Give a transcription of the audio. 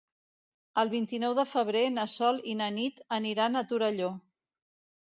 El vint-i-nou de febrer na Sol i na Nit aniran a Torelló.